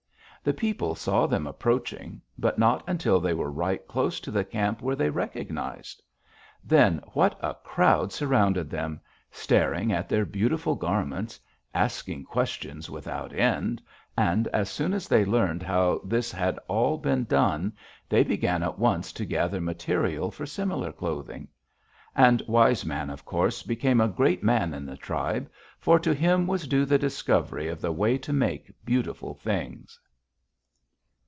The people saw them approaching, but not until they were right close to the camp were they recognized. Then what a crowd surrounded them, staring at their beautiful garments, asking questions without end, and as soon as they learned how this had all been done, they began at once to gather material for similar clothing. And Wise Man, of course, became a great man in the tribe, for to him was due the discovery of the way to make beautiful things."